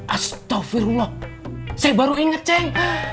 astagfirullah saya baru inget ceng